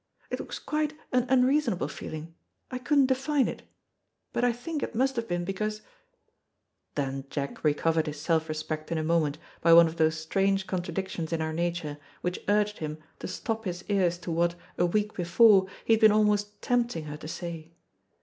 It was quite an unreasonable feeling, I couldn't define it, but I think it must have been because " Then Jack recovered his self respect in a moment, by one of those strange contradictions in our nature, which urged him to stop his ears to what, a week before, he had been almost tempting her to say.